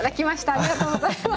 ありがとうございます。